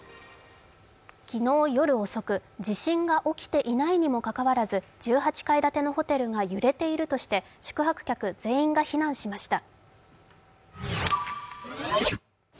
昨日夜遅く、地震が起きていないにもかかわらず、１８階建てのホテルが揺れているとして宿泊客全員か避難しました。